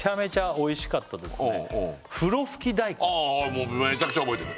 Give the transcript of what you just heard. もうめちゃくちゃ覚えてる